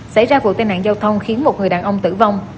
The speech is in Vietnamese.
xảy ra vụ tai nạn giao thông khiến một người đàn ông tử vong